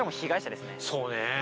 そうね。